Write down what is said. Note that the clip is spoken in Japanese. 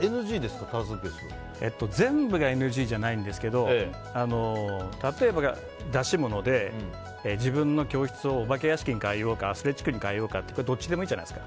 全部がＮＧじゃないんですけど例えば出し物で自分の教室をお化け屋敷に変えようかアスレチックに変えようかってどっちでもいいじゃないですか。